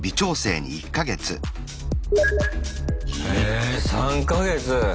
え３か月！